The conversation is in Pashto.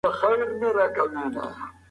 غوړ یوازې د انرژۍ ټولیزه برخه نه ورکوي.